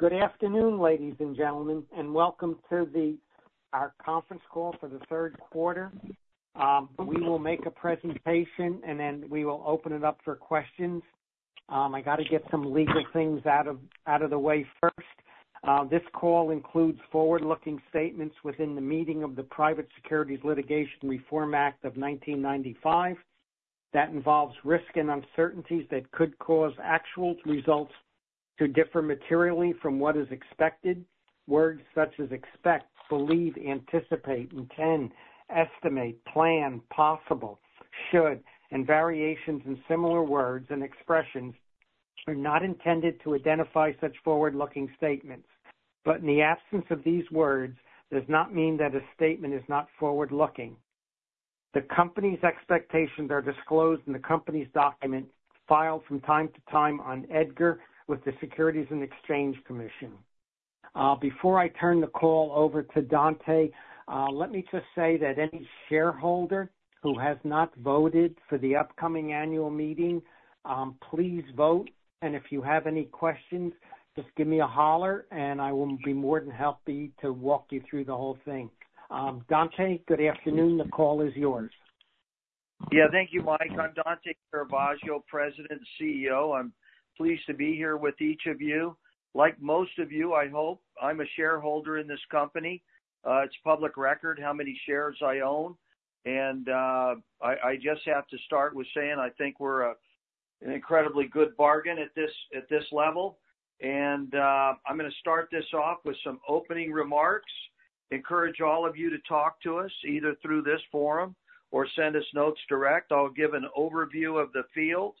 Good afternoon, ladies and gentlemen, and welcome to our conference call for the third quarter. We will make a presentation, and then we will open it up for questions. I got to get some legal things out of the way first. This call includes forward-looking statements within the meaning of the Private Securities Litigation Reform Act of 1995. That involves risk and uncertainties that could cause actual results to differ materially from what is expected. Words such as expect, believe, anticipate, intend, estimate, plan, possible, should, and variations in similar words and expressions are not intended to identify such forward-looking statements. But in the absence of these words, it does not mean that a statement is not forward-looking. The company's expectations are disclosed in the company's document filed from time to time on EDGAR with the Securities and Exchange Commission. Before I turn the call over to Dante, let me just say that any shareholder who has not voted for the upcoming annual meeting, please vote, and if you have any questions, just give me a holler, and I will be more than happy to walk you through the whole thing. Dante, good afternoon. The call is yours. Yeah, thank you, Mike. I'm Dante Caravaggio, President and CEO. I'm pleased to be here with each of you. Like most of you, I hope, I'm a shareholder in this company. It's public record how many shares I own. And I just have to start with saying I think we're an incredibly good bargain at this level. And I'm going to start this off with some opening remarks. Encourage all of you to talk to us either through this forum or send us notes direct. I'll give an overview of the field.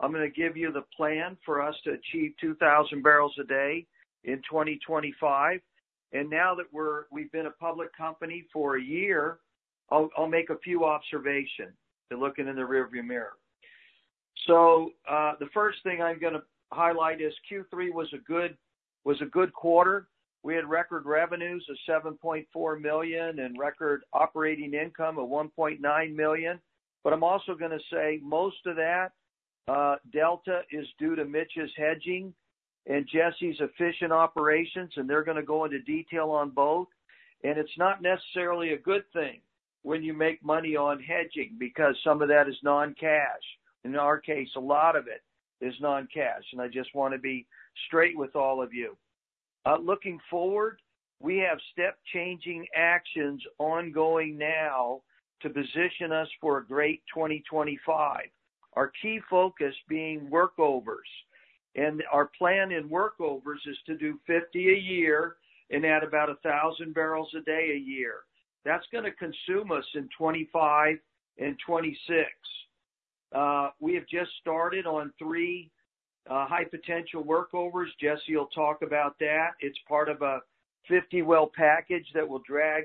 I'm going to give you the plan for us to achieve 2,000 barrels a day in 2025. And now that we've been a public company for a year, I'll make a few observations to looking in the rearview mirror. So the first thing I'm going to highlight is Q3 was a good quarter. We had record revenues of $7.4 million and record operating income of $1.9 million. But I'm also going to say most of that delta is due to Mitch's hedging and Jesse's efficient operations, and they're going to go into detail on both. And it's not necessarily a good thing when you make money on hedging because some of that is non-cash. In our case, a lot of it is non-cash. And I just want to be straight with all of you. Looking forward, we have step-changing actions ongoing now to position us for a great 2025. Our key focus being workovers. And our plan in workovers is to do 50 a year and add about 1,000 barrels a day a year. That's going to consume us in 2025 and 2026. We have just started on three high-potential workovers. Jesse will talk about that. It's part of a 50-well package that will drag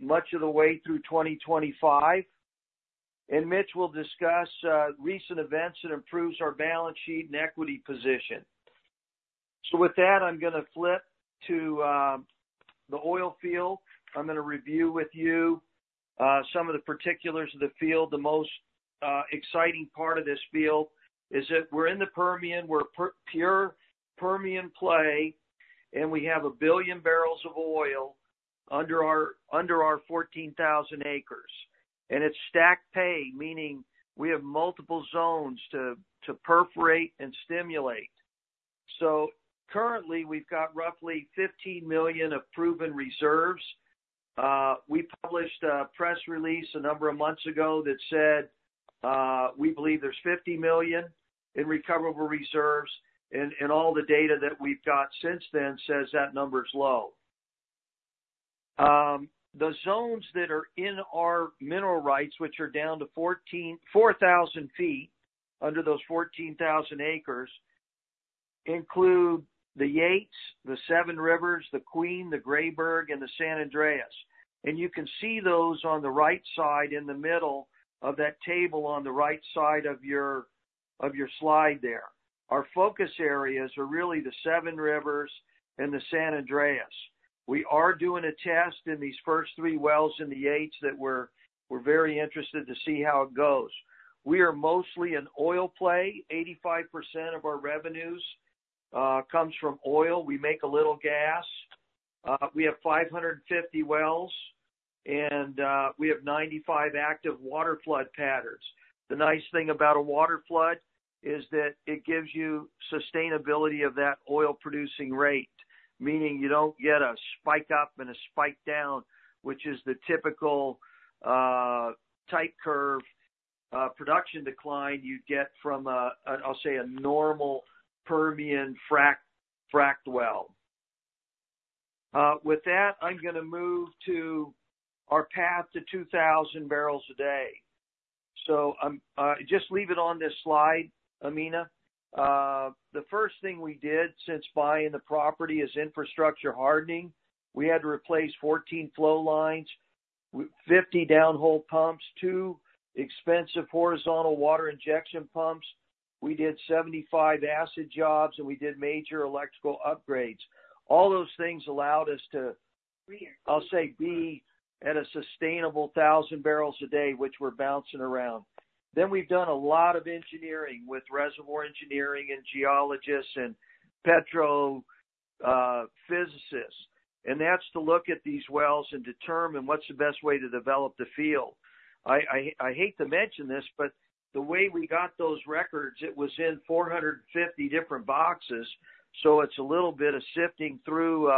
much of the way through 2025. And Mitch will discuss recent events that improve our balance sheet and equity position. So with that, I'm going to flip to the oil field. I'm going to review with you some of the particulars of the field. The most exciting part of this field is that we're in the Permian. We're pure Permian play, and we have a billion barrels of oil under our 14,000 acres. And it's stacked pay, meaning we have multiple zones to perforate and stimulate. So currently, we've got roughly 15 million of proven reserves. We published a press release a number of months ago that said we believe there's 50 million in recoverable reserves. And all the data that we've got since then says that number is low. The zones that are in our mineral rights, which are down to 4,000 feet under those 14,000 acres, include the Yates, the Seven Rivers, the Queen, the Grayburg, and the San Andres, and you can see those on the right side in the middle of that table on the right side of your slide there. Our focus areas are really the Seven Rivers and the San Andres. We are doing a test in these first three wells in the Yates that we're very interested to see how it goes. We are mostly an oil play. 85% of our revenues comes from oil. We make a little gas. We have 550 wells, and we have 95 active waterflood patterns. The nice thing about a waterflood is that it gives you sustainability of that oil-producing rate, meaning you don't get a spike up and a spike down, which is the typical type curve production decline you'd get from, I'll say, a normal Permian frack well. With that, I'm going to move to our path to 2,000 barrels a day. So just leave it on this slide, Amina. The first thing we did since buying the property is infrastructure hardening. We had to replace 14 flow lines, 50 downhole pumps, two expensive horizontal water injection pumps. We did 75 acid jobs, and we did major electrical upgrades. All those things allowed us to, I'll say, be at a sustainable 1,000 barrels a day, which we're bouncing around. Then we've done a lot of engineering with reservoir engineering and geologists and petrophysicists. And that's to look at these wells and determine what's the best way to develop the field. I hate to mention this, but the way we got those records, it was in 450 different boxes. So it's a little bit of sifting through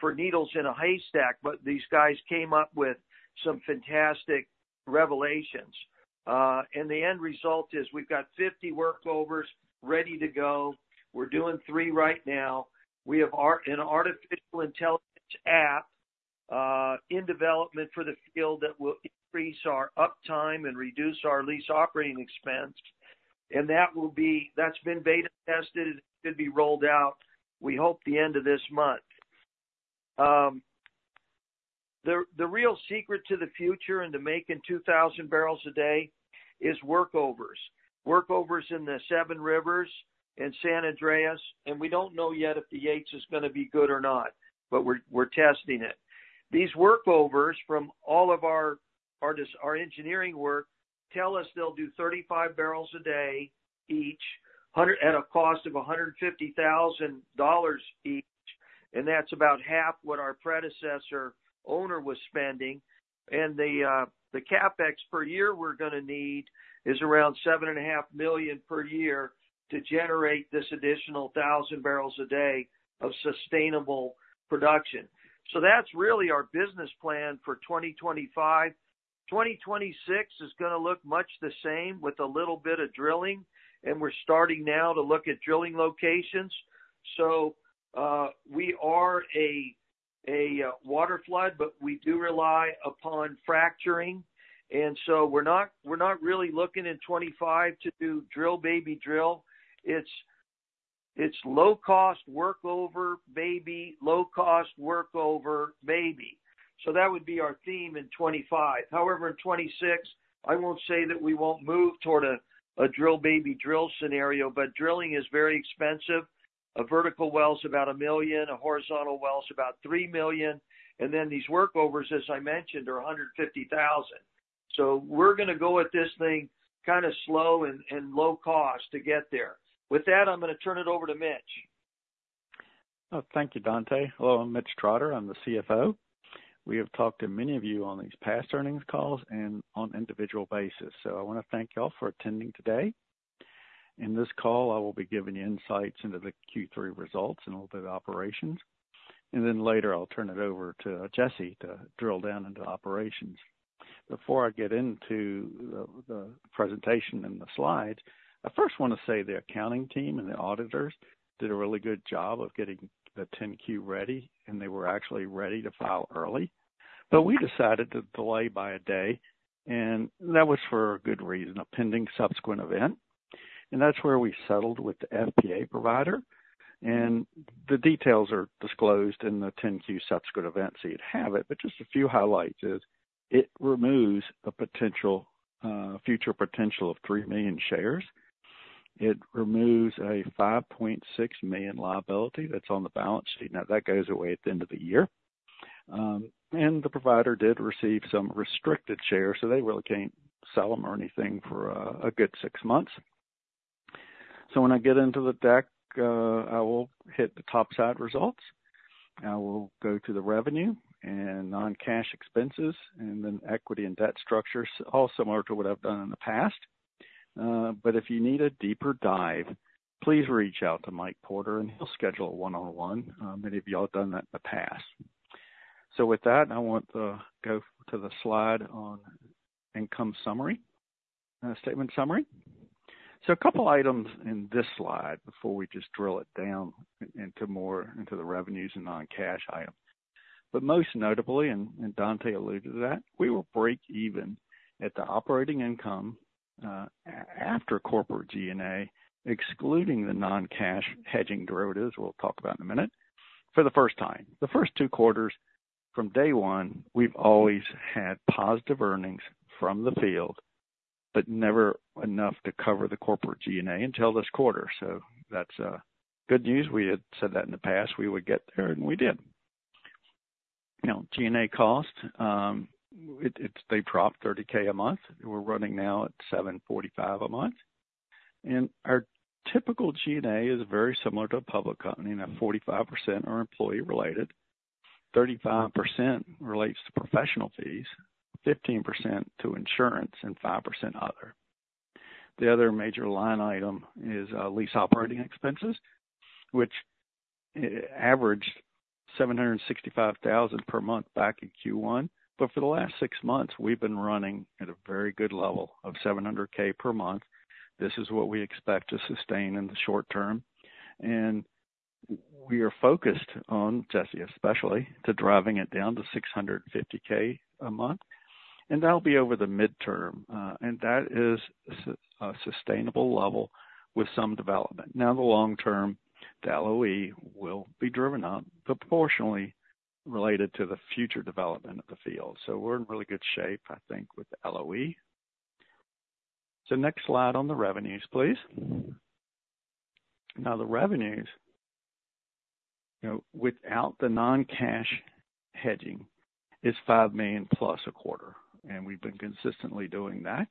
for needles in a haystack, but these guys came up with some fantastic revelations. And the end result is we've got 50 workovers ready to go. We're doing three right now. We have an artificial intelligence app in development for the field that will increase our uptime and reduce our lease operating expense. And that's been beta tested. It should be rolled out, we hope, at the end of this month. The real secret to the future and to making 2,000 barrels a day is workovers. Workovers in the Seven Rivers and San Andres. We don't know yet if the Yates is going to be good or not, but we're testing it. These workovers from all of our engineering work tell us they'll do 35 barrels a day each at a cost of $150,000 each. That's about half what our predecessor owner was spending. The CapEx per year we're going to need is around $7.5 million per year to generate this additional 1,000 barrels a day of sustainable production. That's really our business plan for 2025. 2026 is going to look much the same with a little bit of drilling. We're starting now to look at drilling locations. We are a waterflood, but we do rely upon fracturing. We're not really looking in 2025 to do drill, baby, drill. It's low-cost workover, baby, low-cost workover, baby. That would be our theme in 2025. However, in 2026, I won't say that we won't move toward a drill, baby, drill scenario, but drilling is very expensive. A vertical well is about $1 million. A horizontal well is about $3 million. And then these workovers, as I mentioned, are $150,000. So we're going to go at this thing kind of slow and low-cost to get there. With that, I'm going to turn it over to Mitch. Thank you, Dante. Hello, I'm Mitch Trotter. I'm the CFO. We have talked to many of you on these past earnings calls and on an individual basis. So I want to thank you all for attending today. In this call, I will be giving you insights into the Q3 results and a little bit of operations. And then later, I'll turn it over to Jesse to drill down into operations. Before I get into the presentation and the slides, I first want to say the accounting team and the auditors did a really good job of getting the 10-Q ready, and they were actually ready to file early. But we decided to delay by a day, and that was for a good reason, a pending subsequent event. And that's where we settled with the FPA provider. And the details are disclosed in the 10-Q subsequent event so you'd have it. But just a few highlights is it removes a future potential of 3 million shares. It removes a 5.6 million liability that's on the balance sheet. Now, that goes away at the end of the year. And the provider did receive some restricted shares, so they really can't sell them or anything for a good six months. So when I get into the deck, I will hit the top side results. I will go to the revenue and non-cash expenses and then equity and debt structures, all similar to what I've done in the past. But if you need a deeper dive, please reach out to Mike Porter, and he'll schedule a one-on-one. Many of you all have done that in the past. So with that, I want to go to the slide on income statement summary. So a couple of items in this slide before we just drill it down into the revenues and non-cash items. But most notably, and Dante alluded to that, we will break even at the operating income after corporate G&A, excluding the non-cash hedging derivatives we'll talk about in a minute for the first time. The first two quarters from day one, we've always had positive earnings from the field, but never enough to cover the corporate G&A until this quarter. So that's good news. We had said that in the past. We would get there, and we did. Now, G&A cost, they dropped $30,000 a month. We're running now at $745,000 a month. And our typical G&A is very similar to a public company. Now, 45% are employee-related. 35% relates to professional fees, 15% to insurance, and 5% other. The other major line item is lease operating expenses, which averaged $765,000 per month back in Q1. But for the last six months, we've been running at a very good level of $700K per month. This is what we expect to sustain in the short term. And we are focused on, Jesse especially, to driving it down to $650K a month. And that'll be over the midterm. And that is a sustainable level with some development. Now, the long term, the LOE will be driven up proportionally related to the future development of the field. So we're in really good shape, I think, with the LOE. So next slide on the revenues, please. Now, the revenues without the non-cash hedging is $5+ million a quarter. And we've been consistently doing that.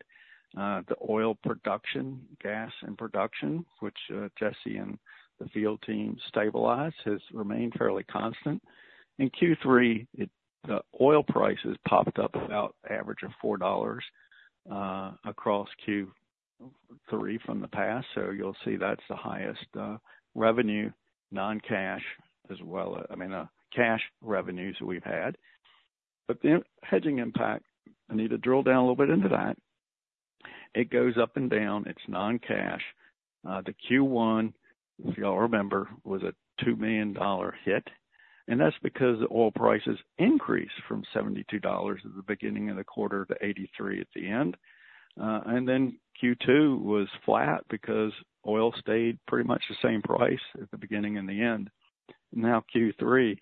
The oil production, gas and production, which Jesse and the field team stabilized, has remained fairly constant. In Q3, the oil prices popped up about an average of $4 across Q3 from the past. So you'll see that's the highest revenue, non-cash as well, I mean, cash revenues we've had. But the hedging impact, I need to drill down a little bit into that. It goes up and down. It's non-cash. The Q1, if you all remember, was a $2 million hit. And that's because the oil prices increased from $72 at the beginning of the quarter to $83 at the end. And then Q2 was flat because oil stayed pretty much the same price at the beginning and the end. Now, Q3,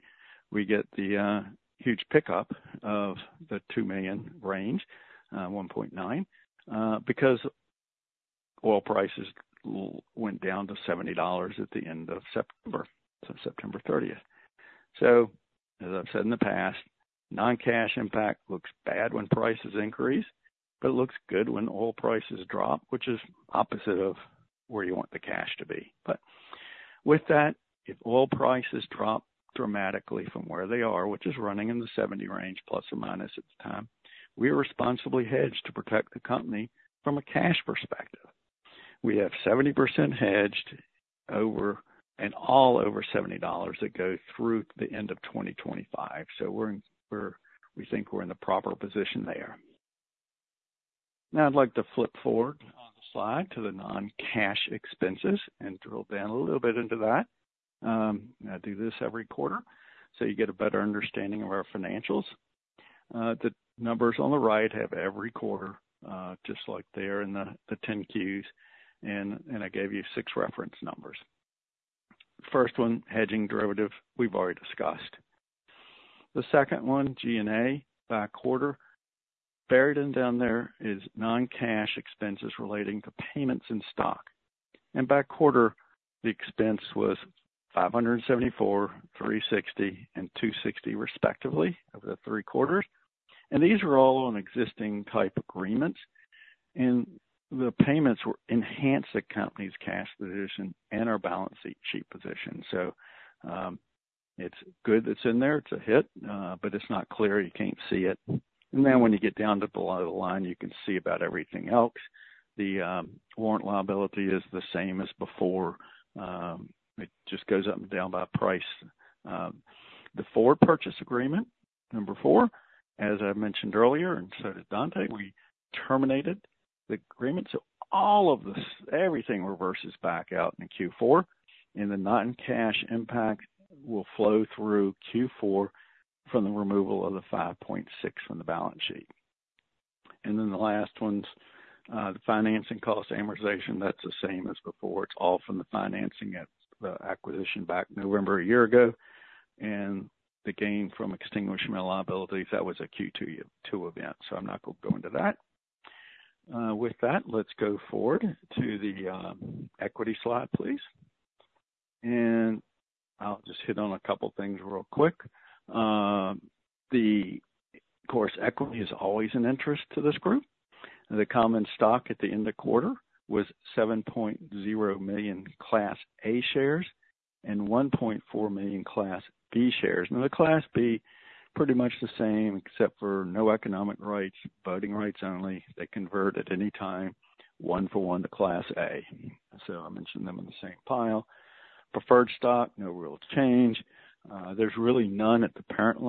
we get the huge pickup of the $2 million range, $1.9 million, because oil prices went down to $70 at the end of September, September 30th. So, as I've said in the past, non-cash impact looks bad when prices increase, but it looks good when oil prices drop, which is opposite of where you want the cash to be. But with that, if oil prices drop dramatically from where they are, which is running in the $70 range ± at the time, we responsibly hedge to protect the company from a cash perspective. We have 70% hedged and all over $70 that go through the end of 2025. So we think we're in the proper position there. Now, I'd like to flip forward on the slide to the non-cash expenses and drill down a little bit into that. I do this every quarter so you get a better understanding of our financials. The numbers on the right have every quarter, just like they're in the 10-Qs. And I gave you six reference numbers. First one, hedging derivative, we've already discussed. The second one, G&A, by quarter, buried down there is non-cash expenses relating to payments in stock, and by quarter, the expense was 574, 360, and 260 respectively over the three quarters. And these were all on existing equity agreements, and the payments enhanced the company's cash position and our balance sheet position. So it's good that's in there. It's a hit, but it's not clear. You can't see it, and now when you get down to the bottom line, you can see about everything else. The warrant liability is the same as before. It just goes up and down by price. The forward purchase agreement, number four, as I mentioned earlier, and so did Dante, we terminated the agreement. So everything reverses back out in Q4. The non-cash impact will flow through Q4 from the removal of the 5.6 from the balance sheet. And then the last one's the financing cost amortization. That's the same as before. It's all from the financing at the acquisition back November a year ago. And the gain from extinguishment liability, that was a Q2 event. So I'm not going to go into that. With that, let's go forward to the equity slide, please. And I'll just hit on a couple of things real quick. Of course, equity is always an interest to this group. The common stock at the end of quarter was 7.0 million Class A shares and 1.4 million Class B shares. And the Class B, pretty much the same, except for no economic rights, voting rights only. They convert at any time, one for one, to Class A. So I mentioned them in the same pile. Preferred stock, no real change. There's really none at the parent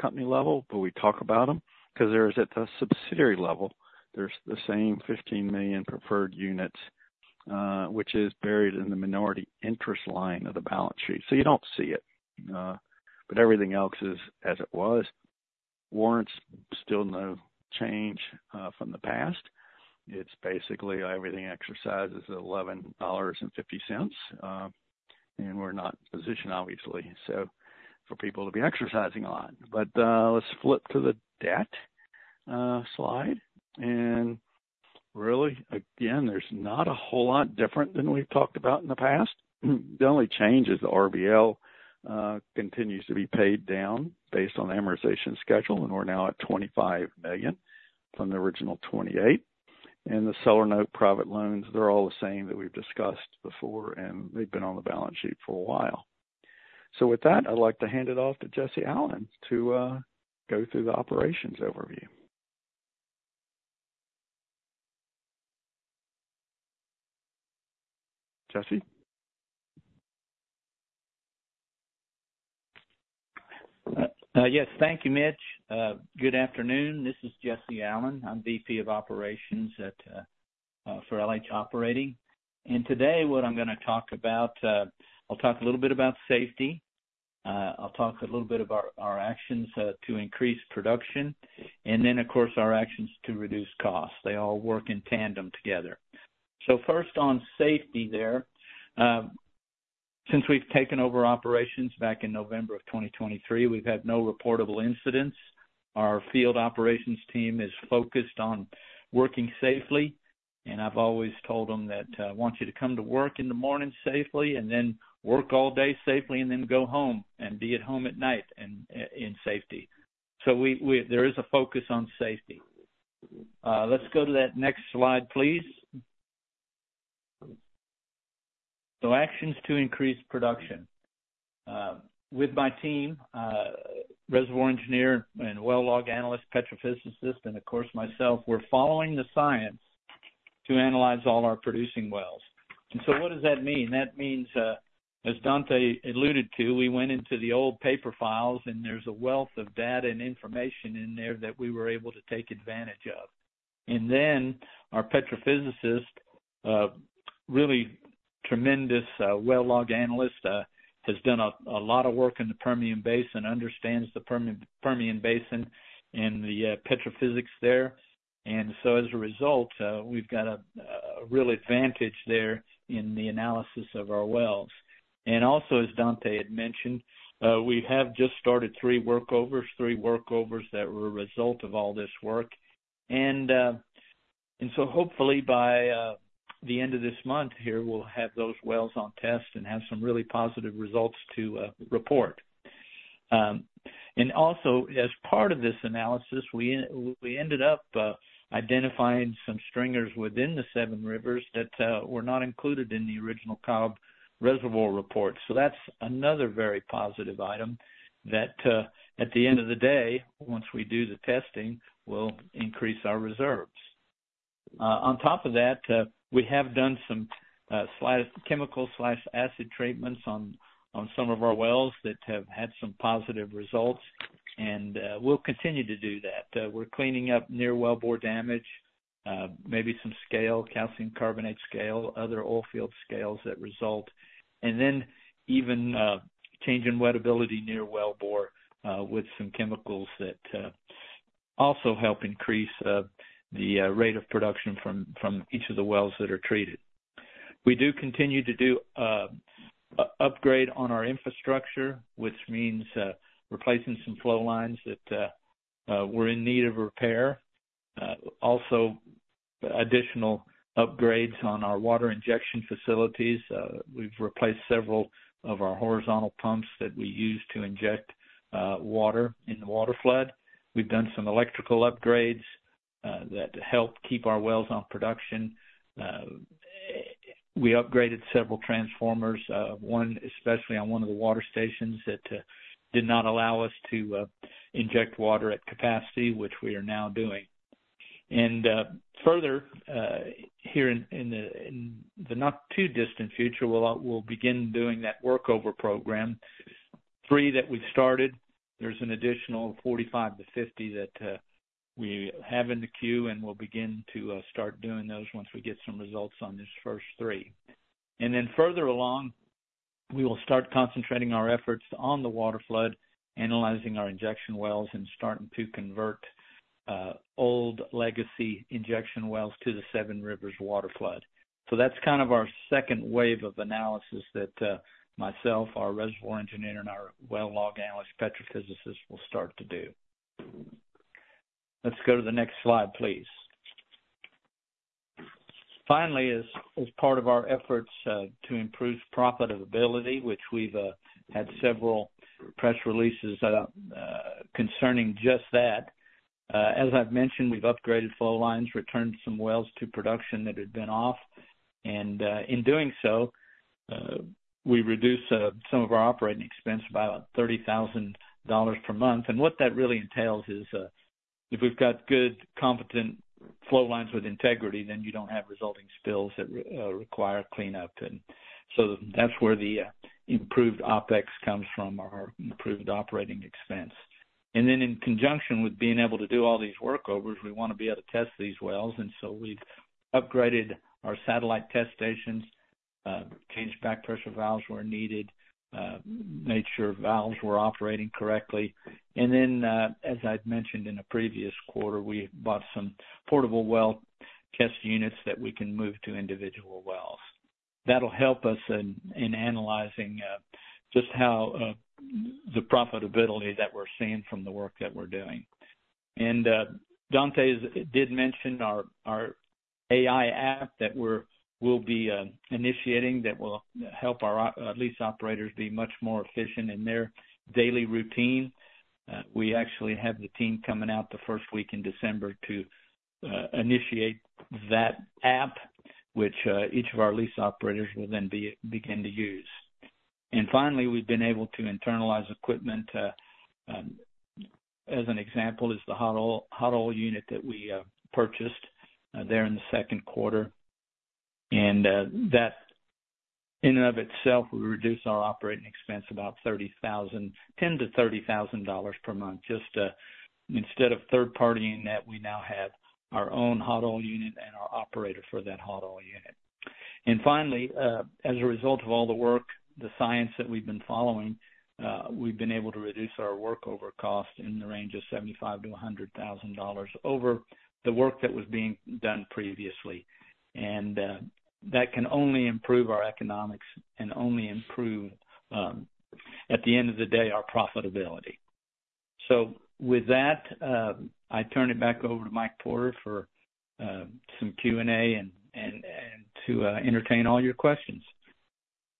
company level, but we talk about them because there is at the subsidiary level, there's the same 15 million preferred units, which is buried in the minority interest line of the balance sheet. So you don't see it. But everything else is as it was. Warrants, still no change from the past. It's basically everything exercises at $11.50. And we're not in position, obviously, for people to be exercising a lot. But let's flip to the debt slide. And really, again, there's not a whole lot different than we've talked about in the past. The only change is the RBL continues to be paid down based on the amortization schedule, and we're now at 25 million from the original 28. And the seller note private loans, they're all the same that we've discussed before, and they've been on the balance sheet for a while. So with that, I'd like to hand it off to Jesse Allen to go through the operations overview. Jesse? Yes. Thank you, Mitch. Good afternoon. This is Jesse Allen. I'm VP of Operations for LH Operating. And today, what I'm going to talk about, I'll talk a little bit about safety. I'll talk a little bit about our actions to increase production. And then, of course, our actions to reduce costs. They all work in tandem together. So first on safety there, since we've taken over operations back in November of 2023, we've had no reportable incidents. Our field operations team is focused on working safely. And I've always told them that I want you to come to work in the morning safely and then work all day safely and then go home and be at home at night in safety. So there is a focus on safety. Let's go to that next slide, please. So actions to increase production. With my team, reservoir engineer and well log analyst, petrophysicist, and of course, myself, we're following the science to analyze all our producing wells. And so what does that mean? That means, as Dante alluded to, we went into the old paper files, and there's a wealth of data and information in there that we were able to take advantage of. And then our petrophysicist, really tremendous well log analyst, has done a lot of work in the Permian Basin, understands the Permian Basin and the petrophysics there. And so as a result, we've got a real advantage there in the analysis of our wells. And also, as Dante had mentioned, we have just started three workovers, three workovers that were a result of all this work. And so hopefully, by the end of this month here, we'll have those wells on test and have some really positive results to report. And also, as part of this analysis, we ended up identifying some stringers within the Seven Rivers that were not included in the original Cobb reservoir report. So that's another very positive item that, at the end of the day, once we do the testing, we'll increase our reserves. On top of that, we have done some chemical/acid treatments on some of our wells that have had some positive results. And we'll continue to do that. We're cleaning up near wellbore damage, maybe some scale, calcium carbonate scale, other oil field scales that result. And then even changing wettability near wellbore with some chemicals that also help increase the rate of production from each of the wells that are treated. We do continue to do an upgrade on our infrastructure, which means replacing some flow lines that were in need of repair. Also, additional upgrades on our water injection facilities. We've replaced several of our horizontal pumps that we use to inject water in the waterflood. We've done some electrical upgrades that help keep our wells on production. We upgraded several transformers, one especially on one of the water stations that did not allow us to inject water at capacity, which we are now doing. And further, here in the not too distant future, we'll begin doing that workover program, three that we've started. There's an additional 45-50 that we have in the queue, and we'll begin to start doing those once we get some results on these first three. And then further along, we will start concentrating our efforts on the waterflood, analyzing our injection wells, and starting to convert old legacy injection wells to the Seven Rivers waterflood. So that's kind of our second wave of analysis that myself, our reservoir engineer, and our well log analyst, petrophysicist will start to do. Let's go to the next slide, please. Finally, as part of our efforts to improve profitability, which we've had several press releases concerning just that, as I've mentioned, we've upgraded flow lines, returned some wells to production that had been off. And in doing so, we reduce some of our operating expense by about $30,000 per month. And what that really entails is if we've got good competent flow lines with integrity, then you don't have resulting spills that require cleanup. And so that's where the improved OpEx comes from, our improved operating expense. And then in conjunction with being able to do all these workovers, we want to be able to test these wells. And so we've upgraded our satellite test stations, changed back pressure valves where needed, made sure valves were operating correctly. And then, as I've mentioned in a previous quarter, we bought some portable well test units that we can move to individual wells. That'll help us in analyzing just how the profitability that we're seeing from the work that we're doing. And Dante did mention our AI app that we'll be initiating that will help our lease operators be much more efficient in their daily routine. We actually have the team coming out the first week in December to initiate that app, which each of our lease operators will then begin to use. And finally, we've been able to internalize equipment. As an example, is the hot oil unit that we purchased there in the second quarter. And that in and of itself, we reduce our operating expense about $10,000-$30,000 per month. Just instead of third partying that, we now have our own hot oil unit and our operator for that hot oil unit. And finally, as a result of all the work, the science that we've been following, we've been able to reduce our workover cost in the range of $75,000-$100,000 over the work that was being done previously. And that can only improve our economics and only improve, at the end of the day, our profitability. So with that, I turn it back over to Mike Porter for some Q&A and to entertain all your questions.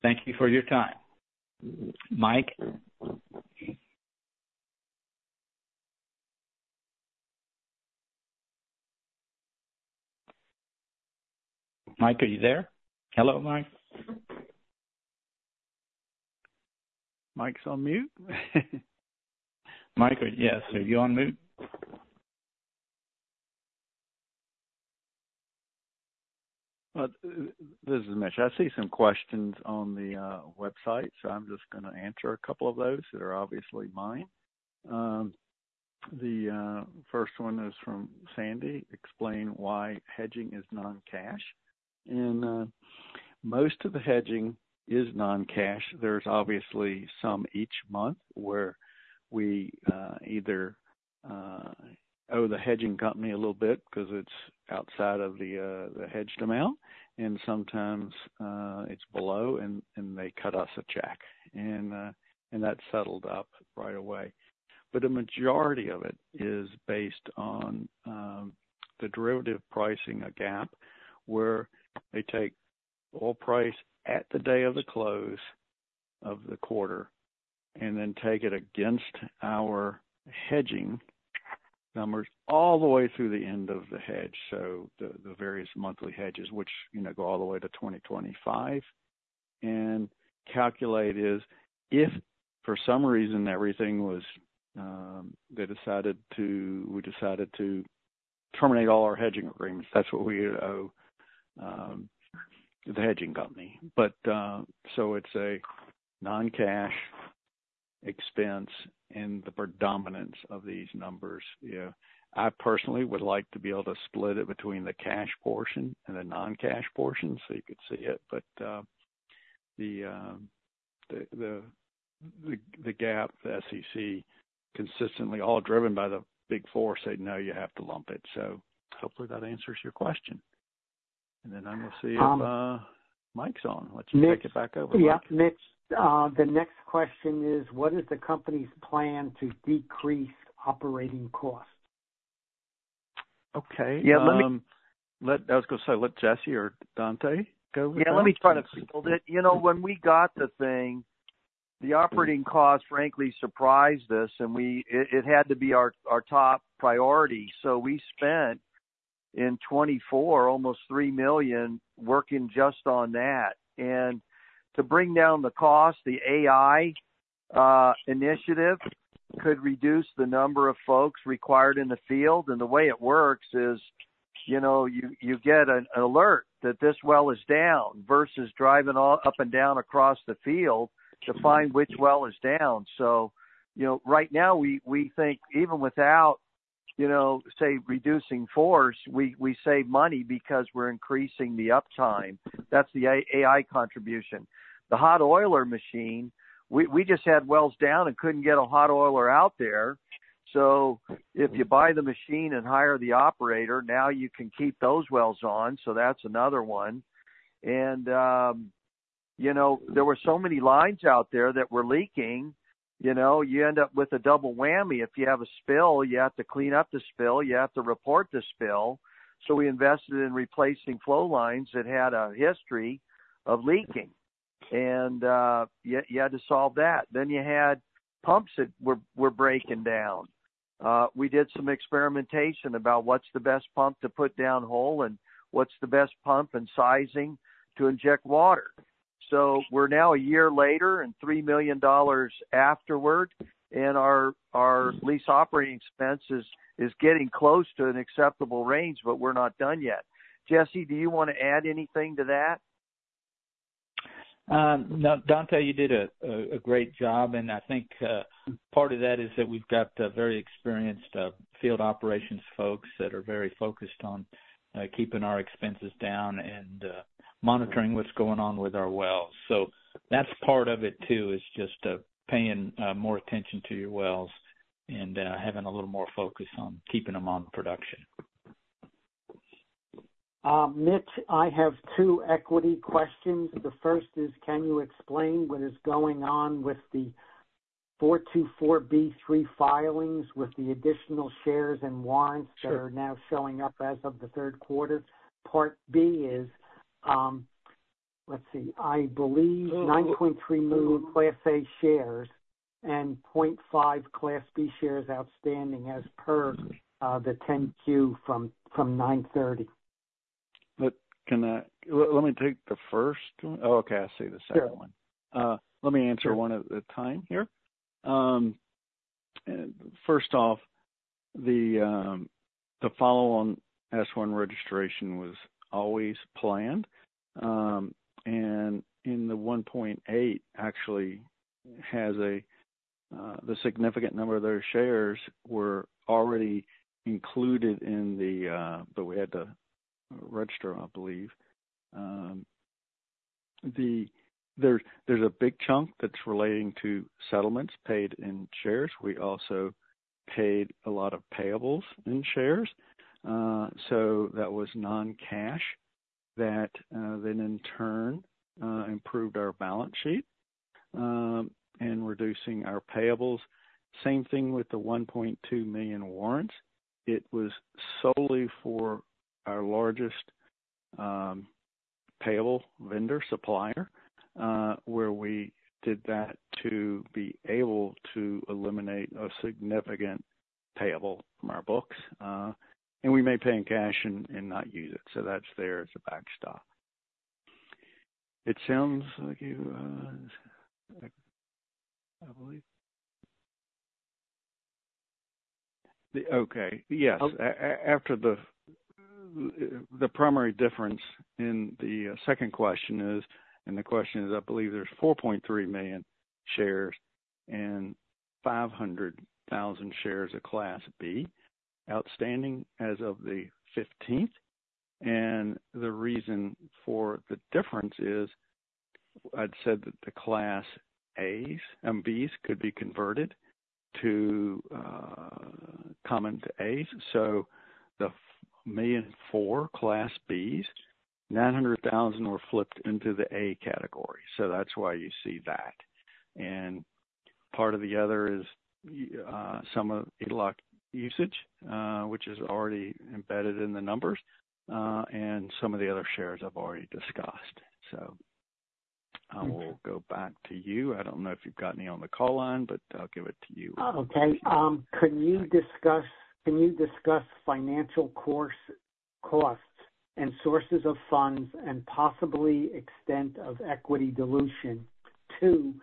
Thank you for your time. Mike. Mike, are you there? Hello, Mike. Mike's on mute. Mike, yes. Are you on mute? This is Mitch. I see some questions on the website, so I'm just going to answer a couple of those that are obviously mine. The first one is from Sandy. "Explain why hedging is non-cash." And most of the hedging is non-cash. There's obviously some each month where we either owe the hedging company a little bit because it's outside of the hedged amount, and sometimes it's below, and they cut us a check. And that settled up right away. But the majority of it is based on the derivatives pricing gap where they take the oil price at the close of the day of the quarter and then take it against our hedging numbers all the way through the end of the hedge, so the various monthly hedges, which go all the way to 2025. And calculate it as if for some reason everything was they decided to we decided to terminate all our hedging agreements. That's what we owe the hedging company. But so it's a non-cash expense and the predominance of these numbers. I personally would like to be able to split it between the cash portion and the non-cash portion so you could see it. But GAAP, the SEC, consistently all driven by the Big Four say, "No, you have to lump it." So hopefully that answers your question. And then I'm going to see if Mike's on. Let's take it back over to Mike. Yeah. The next question is, what is the company's plan to decrease operating costs? Okay. I was going to say, let Jesse or Dante go with that. Yeah. Let me try to fold it. When we got the thing, the operating costs frankly surprised us, and it had to be our top priority, so we spent in 2024 almost $3 million working just on that. And to bring down the cost, the AI initiative could reduce the number of folks required in the field. And the way it works is you get an alert that this well is down versus driving up and down across the field to find which well is down, so right now, we think even without, say, reducing force, we save money because we're increasing the uptime. That's the AI contribution. The hot oiler machine, we just had wells down and couldn't get a hot oiler out there, so if you buy the machine and hire the operator, now you can keep those wells on. So that's another one. And there were so many lines out there that were leaking. You end up with a double whammy. If you have a spill, you have to clean up the spill. You have to report the spill. So we invested in replacing flow lines that had a history of leaking. And you had to solve that. Then you had pumps that were breaking down. We did some experimentation about what's the best pump to put down hole and what's the best pump and sizing to inject water. So we're now a year later and $3 million afterward. And our lease operating expense is getting close to an acceptable range, but we're not done yet. Jesse, do you want to add anything to that? Dante, you did a great job. And I think part of that is that we've got very experienced field operations folks that are very focused on keeping our expenses down and monitoring what's going on with our wells. So that's part of it too, is just paying more attention to your wells and having a little more focus on keeping them on production. Mitch, I have two equity questions. The first is, can you explain what is going on with the 424(b)(3) filings with the additional shares and warrants that are now showing up as of the third quarter? Part B is, let's see, I believe 9.3 million Class A shares and 0.5 Class B shares outstanding as per the 10-Q from 930. Let me take the first one. Oh, okay. I see the second one. Let me answer one at a time here. First off, the follow-on S-1 registration was always planned. And in the 1.8, actually, has a the significant number of their shares were already included in the that we had to register, I believe. There's a big chunk that's relating to settlements paid in shares. We also paid a lot of payables in shares. So that was non-cash that then in turn improved our balance sheet and reducing our payables. Same thing with the 1.2 million warrants. It was solely for our largest payable vendor supplier where we did that to be able to eliminate a significant payable from our books. And we may pay in cash and not use it. So that's there as a backstop. It sounds like you I believe. Okay. Yes. After the primary difference in the second question is, and the question is, I believe there's 4.3 million shares and 500,000 shares of Class B outstanding as of the 15th. And the reason for the difference is I'd said that the Class A's and B's could be converted to common to A's. So the main four Class B's, 900,000 were flipped into the A category. So that's why you see that. And part of the other is some of ELOC usage, which is already embedded in the numbers, and some of the other shares I've already discussed. So I will go back to you. I don't know if you've got any on the call line, but I'll give it to you. Okay. Could you discuss financial costs and sources of funds and possibly extent of equity dilution? Two,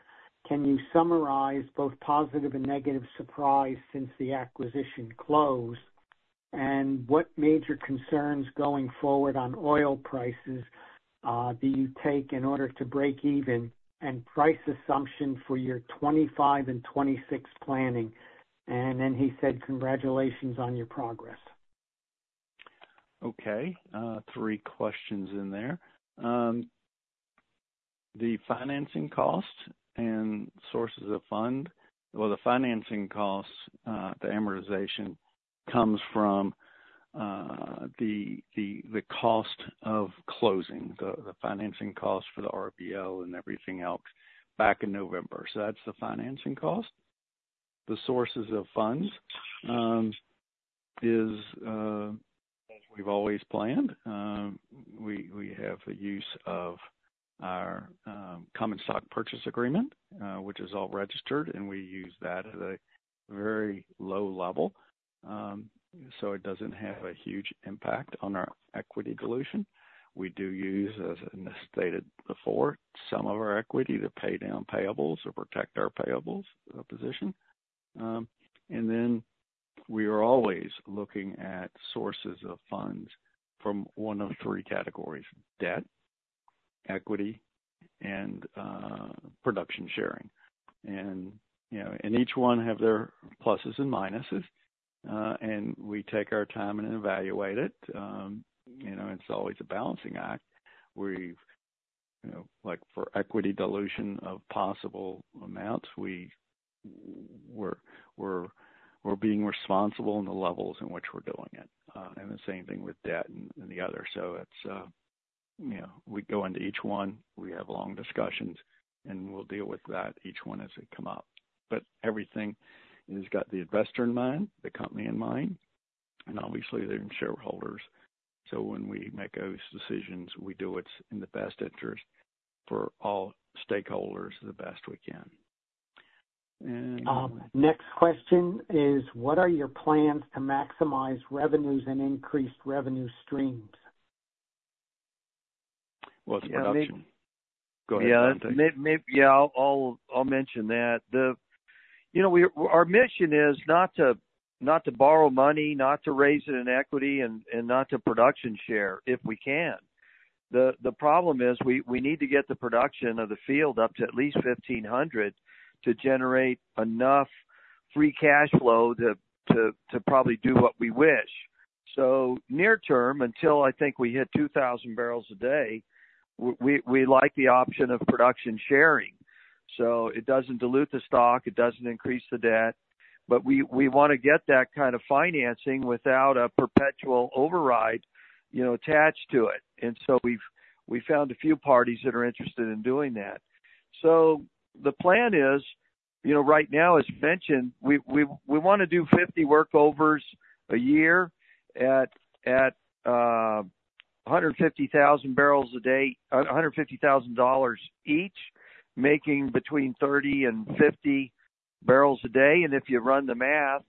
can you summarize both positive and negative surprise since the acquisition closed? And what major concerns going forward on oil prices do you take in order to break even and price assumption for your 2025 and 2026 planning? And then he said, "Congratulations on your progress." Okay. Three questions in there. The financing cost and sources of funds, well, the financing cost, the amortization comes from the costs of closing, the financing cost for the RBL and everything else back in November. So that's the financing cost. The sources of funds is as we've always planned. We have a use of our common stock purchase agreement, which is all registered, and we use that at a very low level. So it doesn't have a huge impact on our equity dilution. We do use, as I stated before, some of our equity to pay down payables or protect our payables position. Then we are always looking at sources of funds from one of three categories: debt, equity, and production sharing. Each one has their pluses and minuses. We take our time and evaluate it. It's always a balancing act. For equity dilution of possible amounts, we're being responsible in the levels in which we're doing it, and the same thing with debt and the other, so we go into each one, we have long discussions, and we'll deal with that each one as it come up, but everything has got the investor in mind, the company in mind, and obviously the shareholders, so when we make those decisions, we do it in the best interest for all stakeholders the best we can. Next question is, what are your plans to maximize revenues and increase revenue streams? It's production. Go ahead. Yeah. I'll mention that. Our mission is not to borrow money, not to raise it in equity, and not to production share if we can. The problem is we need to get the production of the field up to at least 1,500 to generate enough free cash flow to probably do what we wish. So near term, until I think we hit 2,000 barrels a day, we like the option of production sharing. So it doesn't dilute the stock, it doesn't increase the debt, but we want to get that kind of financing without a perpetual override attached to it. And so we found a few parties that are interested in doing that. So the plan is right now, as mentioned, we want to do 50 workovers a year at $150,000 a day, $150,000 each, making between 30 and 50 barrels a day. And if you run the math,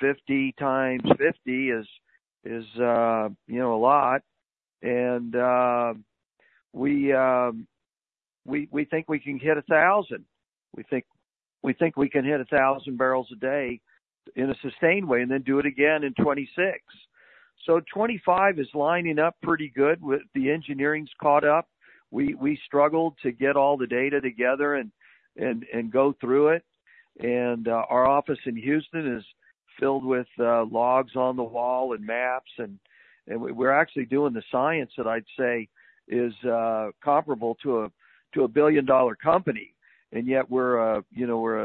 50 times 50 is a lot. And we think we can hit 1,000. We think we can hit 1,000 barrels a day in a sustained way and then do it again in 2026. So 2025 is lining up pretty good with the engineering's caught up. We struggled to get all the data together and go through it. And our office in Houston is filled with logs on the wall and maps. And we're actually doing the science that I'd say is comparable to a billion-dollar company. And yet we're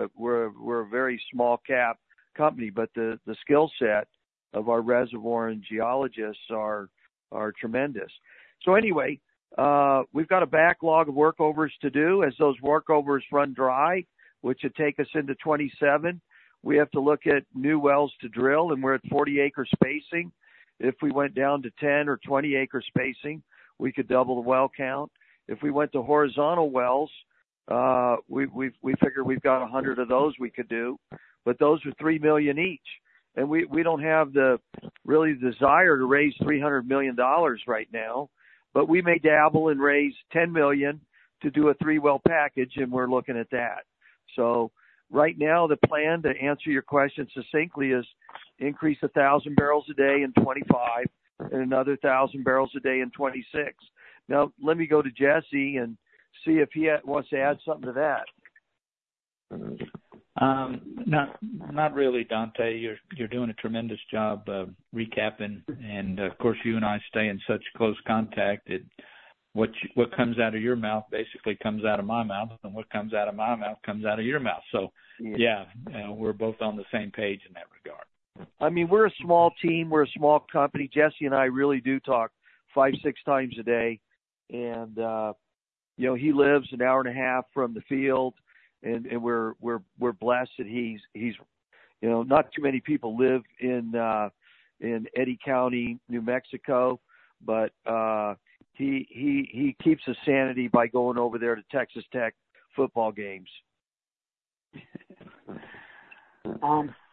a very small-cap company, but the skill set of our reservoir and geologists are tremendous. So anyway, we've got a backlog of workovers to do. As those workovers run dry, which would take us into 2027, we have to look at new wells to drill, and we're at 40-acre spacing. If we went down to 10 or 20-acre spacing, we could double the well count. If we went to horizontal wells, we figure we've got 100 of those we could do. But those are $3 million each. And we don't have the real desire to raise $300 million right now, but we may dabble and raise $10 million to do a three-well package, and we're looking at that. So right now, the plan to answer your question succinctly is increase 1,000 barrels a day in 2025 and another 1,000 barrels a day in 2026. Now, let me go to Jesse and see if he wants to add something to that. Not really, Dante. You're doing a tremendous job recapping, and of course, you and I stay in such close contact that what comes out of your mouth basically comes out of my mouth, and what comes out of my mouth comes out of your mouth, so yeah, we're both on the same page in that regard. I mean, we're a small team. We're a small company. Jesse and I really do talk five, six times a day. And he lives an hour and a half from the field. And we're blessed that not too many people live in Eddy County, New Mexico, but he keeps his sanity by going over there to Texas Tech football games.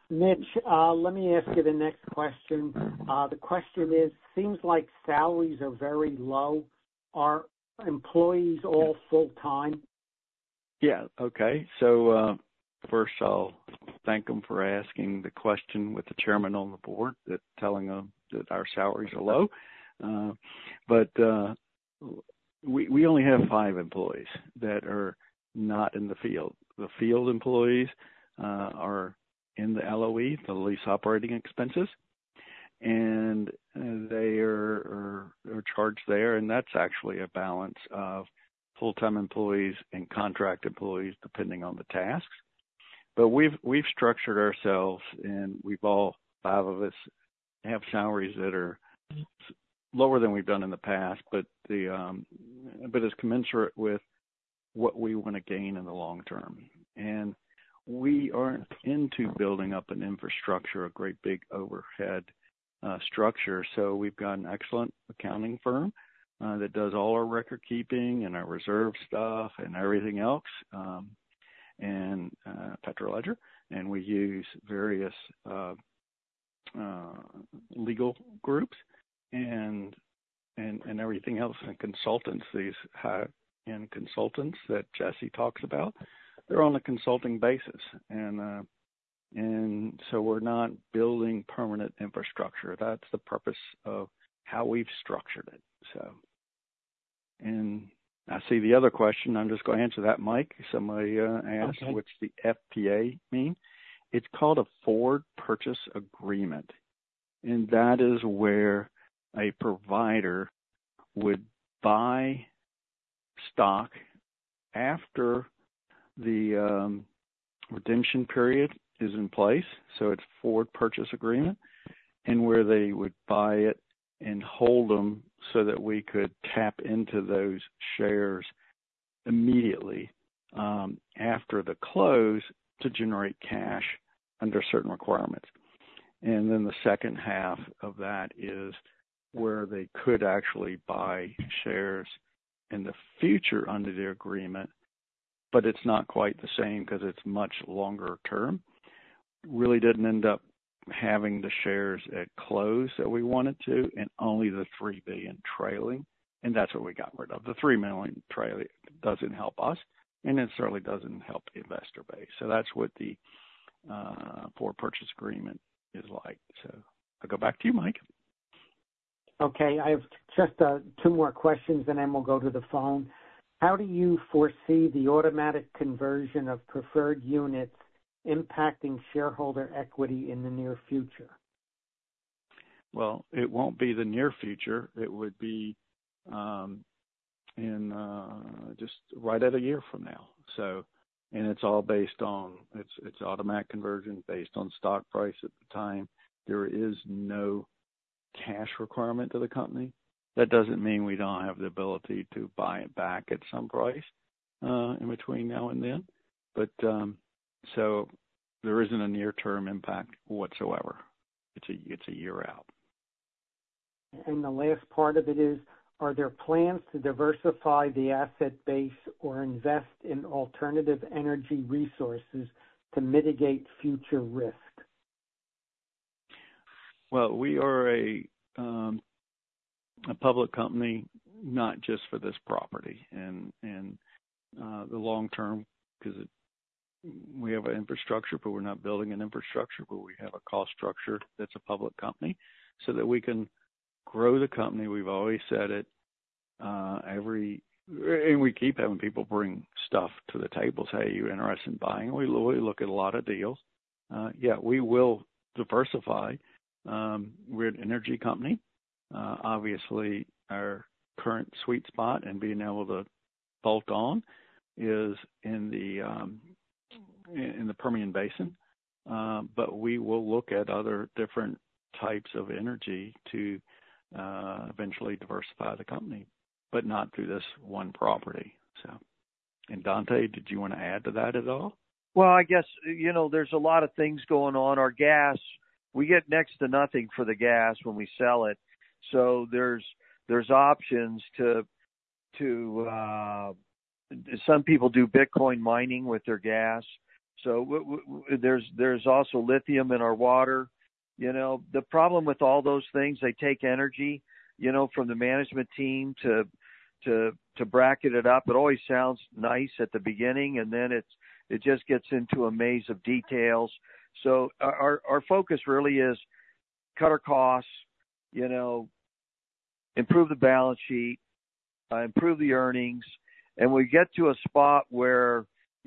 Mitch, let me ask you the next question. The question is, seems like salaries are very low. Are employees all full-time? Yeah. Okay. So first, I'll thank them for asking the question with the chairman on the board that telling them that our salaries are low. But we only have five employees that are not in the field. The field employees are in the LOE, the lease operating expenses. And they are charged there. And that's actually a balance of full-time employees and contract employees depending on the tasks. But we've structured ourselves, and we've all, five of us, have salaries that are lower than we've done in the past, but it's commensurate with what we want to gain in the long term. And we aren't into building up an infrastructure, a great big overhead structure. So we've got an excellent accounting firm that does all our record keeping and our reserve stuff and everything else and PetroLedger. And we use various legal groups and everything else. Consultants and consultants that Jesse talks about, they're on a consulting basis. So we're not building permanent infrastructure. That's the purpose of how we've structured it, so. I see the other question. I'm just going to answer that, Mike. Somebody asked, "What's the FPA mean?" It's called a Forward Purchase Agreement. That is where a provider would buy stock after the redemption period is in place. So it's Forward Purchase Agreement. Where they would buy it and hold them so that we could tap into those shares immediately after the close to generate cash under certain requirements. The second half of that is where they could actually buy shares in the future under the agreement, but it's not quite the same because it's much longer term. Really didn't end up having the shares at close that we wanted to and only the 3 billion trailing. And that's what we got rid of. The 3 million trailing doesn't help us, and it certainly doesn't help investor base. So that's what the Forward Purchase Agreement is like. So I'll go back to you, Mike. Okay. I have just two more questions, and then we'll go to the phone. How do you foresee the automatic conversion of preferred units impacting shareholder equity in the near future? Well, it won't be the near future. It would be just right at a year from now. And it's all based on it's automatic conversion based on stock price at the time. There is no cash requirement to the company. That doesn't mean we don't have the ability to buy it back at some price in between now and then. But so there isn't a near-term impact whatsoever. It's a year out. And the last part of it is, are there plans to diversify the asset base or invest in alternative energy resources to mitigate future risk? We are a public company, not just for this property, and the long-term, because we have an infrastructure, but we're not building an infrastructure, but we have a cost structure that's a public company so that we can grow the company, we've always said it, and we keep having people bring stuff to the table, say, "Are you interested in buying?" We look at a lot of deals. Yeah, we will diversify. We're an energy company. Obviously, our current sweet spot and being able to bolt on is in the Permian Basin, but we will look at other different types of energy to eventually diversify the company, but not through this one property, so, and Dante, did you want to add to that at all? I guess there's a lot of things going on. Our gas, we get next to nothing for the gas when we sell it. There's options. Some people do Bitcoin mining with their gas. There's also lithium in our water. The problem with all those things, they take energy from the management team to bracket it up. It always sounds nice at the beginning, and then it just gets into a maze of details. Our focus really is cut our costs, improve the balance sheet, improve the earnings.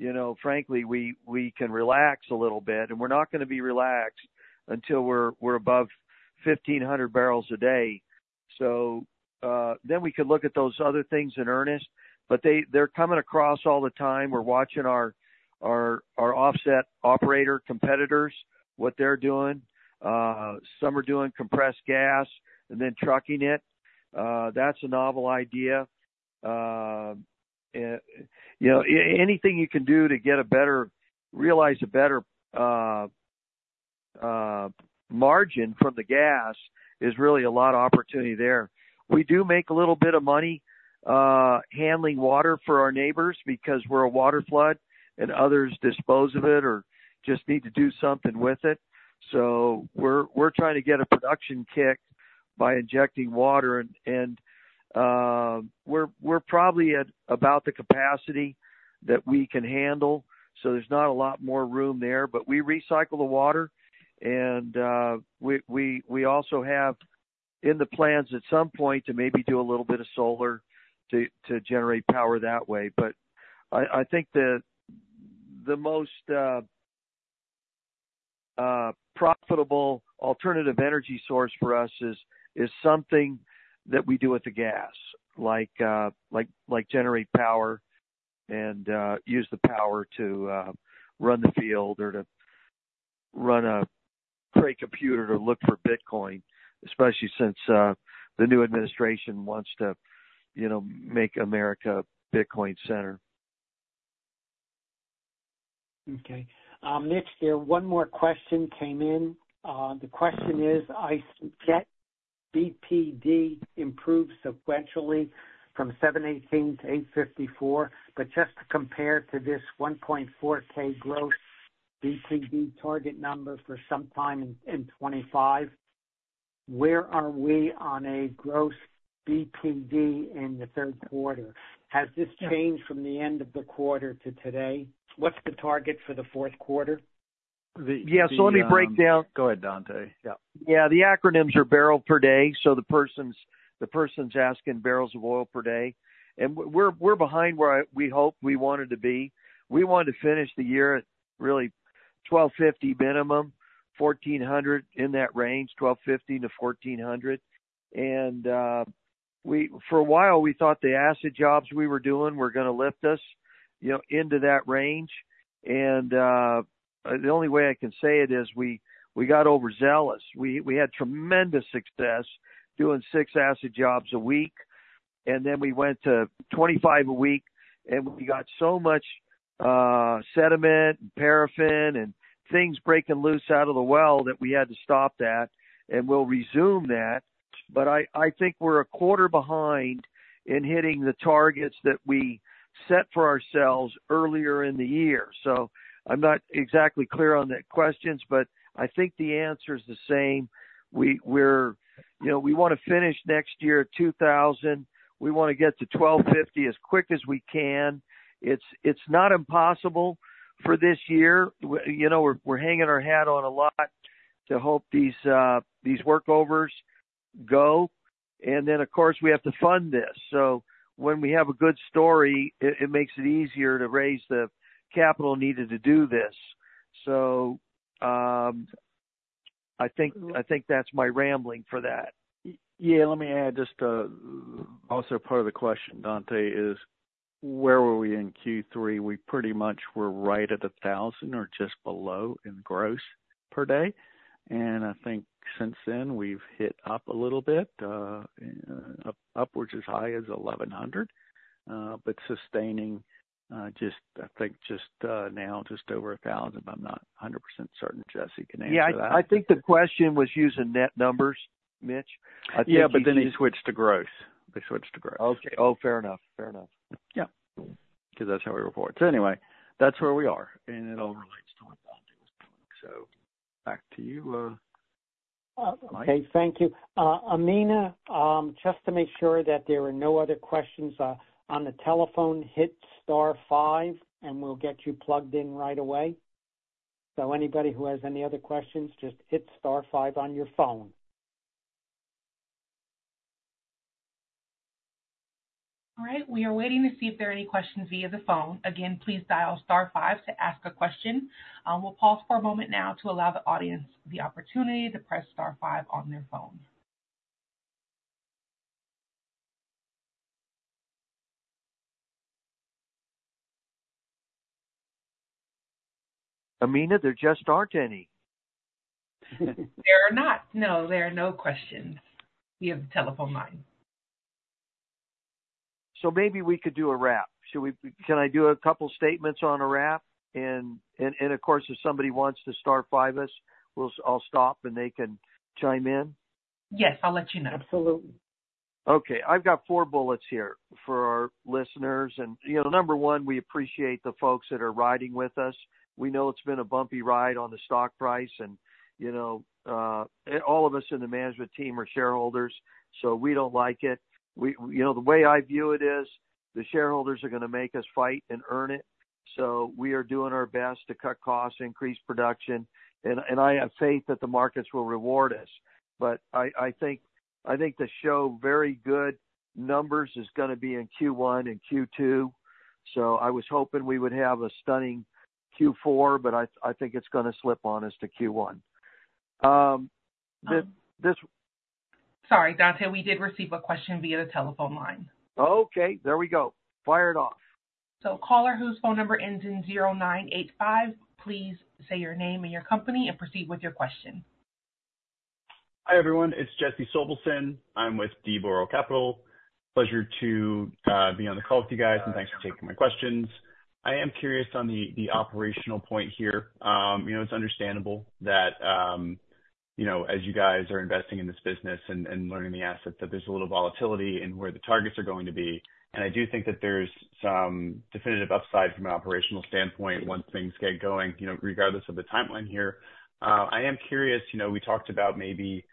We get to a spot where, frankly, we can relax a little bit. We're not going to be relaxed until we're above 1,500 barrels a day. Then we could look at those other things in earnest. They're coming across all the time. We're watching our offset operator competitors, what they're doing. Some are doing compressed gas and then trucking it. That's a novel idea. Anything you can do to realize a better margin from the gas is really a lot of opportunity there. We do make a little bit of money handling water for our neighbors because we're a waterflood, and others dispose of it or just need to do something with it. So we're trying to get a production kick by injecting water. And we're probably at about the capacity that we can handle. So there's not a lot more room there. But we recycle the water. And we also have in the plans at some point to maybe do a little bit of solar to generate power that way. But I think the most profitable alternative energy source for us is something that we do with the gas, like generate power and use the power to run the field or to create a computer to look for Bitcoin, especially since the new administration wants to make America Bitcoin-centered. Okay. Mitch, there's one more question came in. The question is, I see BPD improve sequentially from 718-854. But just to compare to this 1.4K growth BPD target number for sometime in 2025, where are we on a gross BPD in the third quarter? Has this changed from the end of the quarter to today? What's the target for the fourth quarter? Yeah. So let me break down. Go ahead, Dante. Yeah. The acronyms are barrel per day. So the person's asking barrels of oil per day. And we're behind where we hope we wanted to be. We wanted to finish the year at really 1,250 minimum, 1,400 in that range, 1,250-1,400. And for a while, we thought the acid jobs we were doing were going to lift us into that range. And the only way I can say it is we got overzealous. We had tremendous success doing six acid jobs a week. And then we went to 25 a week. And we got so much sediment and paraffin and things breaking loose out of the well that we had to stop that. And we'll resume that. But I think we're a quarter behind in hitting the targets that we set for ourselves earlier in the year. So I'm not exactly clear on the questions, but I think the answer is the same. We want to finish next year at 2,000. We want to get to 1,250 as quick as we can. It's not impossible for this year. We're hanging our hat on a lot to hope these workovers go. And then, of course, we have to fund this. So when we have a good story, it makes it easier to raise the capital needed to do this. So I think that's my rambling for that. Yeah. Let me add just also part of the question, Dante, is where were we in Q3? We pretty much were right at 1,000 or just below in gross per day. And I think since then, we've hit up a little bit, upwards as high as 1,100. But sustaining just, I think just now, just over 1,000. But I'm not 100% certain Jesse can answer that. Yeah. I think the question was using net numbers, Mitch. Yeah. But then he switched to gross. They switched to gross. Okay. Oh, fair enough. Fair enough. Because that's how we report. So anyway, that's where we are. And it all relates to what Dante was doing. So back to you, Mike. Okay. Thank you. Amina, just to make sure that there are no other questions on the telephone, hit star five, and we'll get you plugged in right away. So anybody who has any other questions, just hit star five on your phone. All right. We are waiting to see if there are any questions via the phone. Again, please dial star five to ask a question. We'll pause for a moment now to allow the audience the opportunity to press star five on their phone. Amina, there just aren't any. There are not. No, there are no questions. We have the telephone line. Maybe we could do a wrap. Can I do a couple of statements on a wrap? Of course, if somebody wants to star five us, I'll stop and they can chime in. Yes. I'll let you know. Absolutely. Okay. I've got four bullets here for our listeners. And number one, we appreciate the folks that are riding with us. We know it's been a bumpy ride on the stock price. And all of us in the management team are shareholders. So we don't like it. The way I view it is the shareholders are going to make us fight and earn it. So we are doing our best to cut costs, increase production. And I have faith that the markets will reward us. But I think the show very good numbers is going to be in Q1 and Q2. So I was hoping we would have a stunning Q4, but I think it's going to slip on us to Q1. Sorry, Dante. We did receive a question via the telephone line. Okay. There we go. Fired off. So, caller whose phone number ends in 0985, please say your name and your company and proceed with your question. Hi everyone. It's Jesse Sobelson. I'm with D. Boral Capital. Pleasure to be on the call with you guys and thanks for taking my questions. I am curious on the operational point here. It's understandable that as you guys are investing in this business and learning the assets, that there's a little volatility in where the targets are going to be, and I do think that there's some definitive upside from an operational standpoint once things get going, regardless of the timeline here. I am curious. We talked about maybe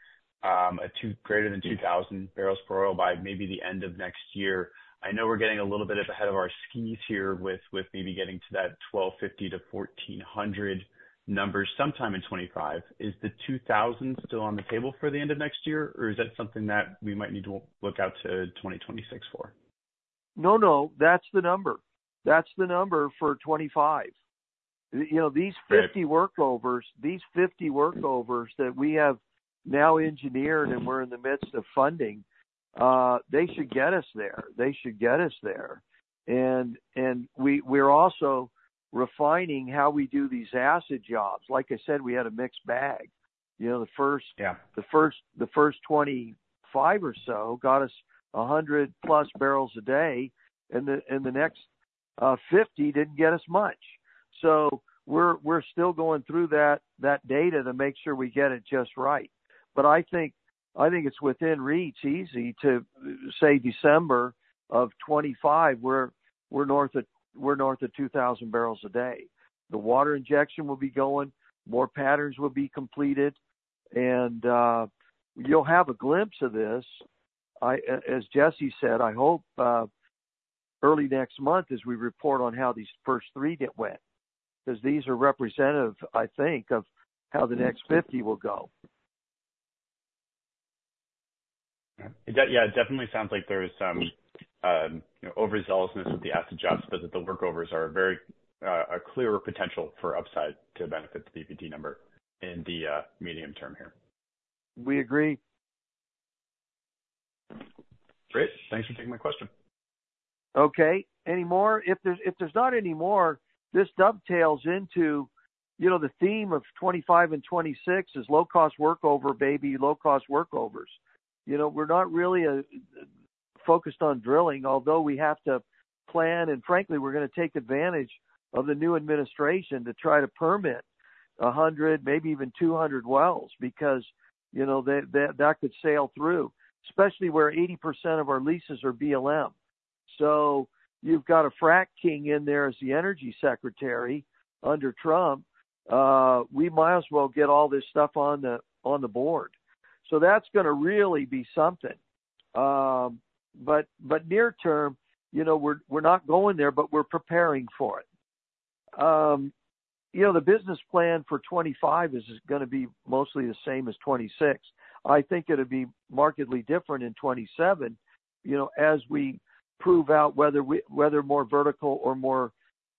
greater than 2,000 barrels of oil per day by maybe the end of next year. I know we're getting a little bit ahead of our skis here with maybe getting to that 1,250-1,400 numbers sometime in 2025. Is the 2,000 still on the table for the end of next year, or is that something that we might need to look out to 2026 for? No, no. That's the number. That's the number for 2025. These 50 workovers, these 50 workovers that we have now engineered and we're in the midst of funding, they should get us there. They should get us there. And we're also refining how we do these acid jobs. Like I said, we had a mixed bag. The first 25 or so got us 100+ barrels a day, and the next 50 didn't get us much. So we're still going through that data to make sure we get it just right. But I think it's within reach, easy to say December of 2025, we're north of 2,000 barrels a day. The water injection will be going. More patterns will be completed. And you'll have a glimpse of this. As Jesse said, I hope early next month as we report on how these first three get wet, because these are representative, I think, of how the next 50 will go. Yeah. It definitely sounds like there is some overzealousness with the acid jobs, but that the workovers are a clearer potential for upside to benefit the BPD number in the medium term here. We agree. Great. Thanks for taking my question. Okay. Any more? If there's not any more, this dovetails into the theme of 2025 and 2026: low-cost workover, baby, low-cost workovers. We're not really focused on drilling, although we have to plan, and frankly, we're going to take advantage of the new administration to try to permit 100, maybe even 200 wells, because that could sail through, especially where 80% of our leases are BLM, so you've got a frack king in there as the energy secretary under Trump. We might as well get all this stuff on the board, so that's going to really be something. But near term, we're not going there, but we're preparing for it. The business plan for 2025 is going to be mostly the same as 2026. I think it'll be markedly different in 2027 as we prove out whether more vertical or more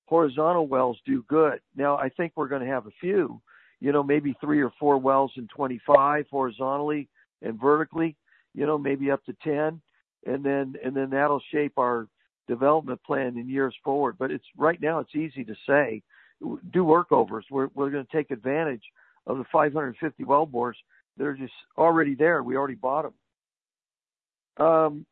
horizontal wells do good. Now, I think we're going to have a few, maybe three or four wells in 2025 horizontally and vertically, maybe up to 10, and then that'll shape our development plan in years forward, but right now, it's easy to say, "Do workovers. We're going to take advantage of the 550 wellbores. They're just already there. We already bought them."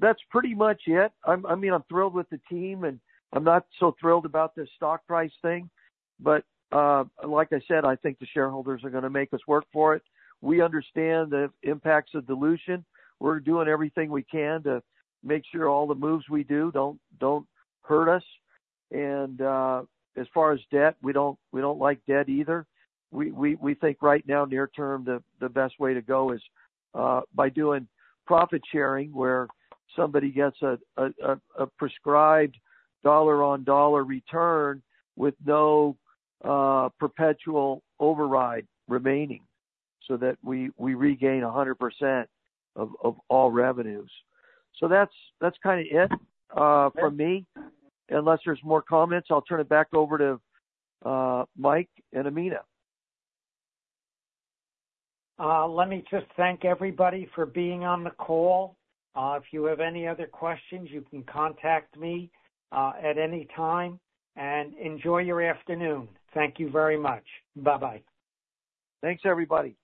That's pretty much it. I mean, I'm thrilled with the team, and I'm not so thrilled about the stock price thing, but like I said, I think the shareholders are going to make us work for it. We understand the impacts of dilution. We're doing everything we can to make sure all the moves we do don't hurt us, and as far as debt, we don't like debt either. We think right now, near term, the best way to go is by doing profit sharing where somebody gets a prescribed dollar-on-dollar return with no perpetual override remaining so that we regain 100% of all revenues. So that's kind of it from me. Unless there's more comments, I'll turn it back over to Mike and Amina. Let me just thank everybody for being on the call. If you have any other questions, you can contact me at any time. And enjoy your afternoon. Thank you very much. Bye-bye. Thanks, everybody.